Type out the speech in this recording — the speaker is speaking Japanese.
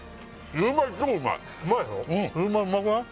シューマイうまくない？